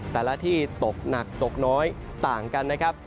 แต่ละที่ตกหนักตกน้อยต่างกันนะครับ